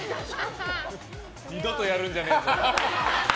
二度とやるんじゃねえぞ。